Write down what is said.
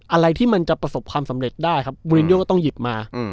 อะไรที่มันจะประสบความสำเร็จได้ครับบูรินโยก็ต้องหยิบมา